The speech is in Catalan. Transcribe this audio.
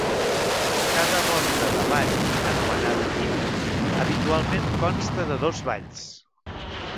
Cada ronda de ball, anomenada "tip", habitualment consta de dos balls.